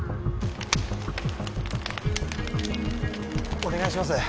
お願いします